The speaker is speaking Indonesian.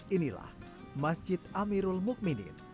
inilah masjid amirul mukminin